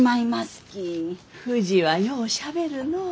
ふじはようしゃべるのう。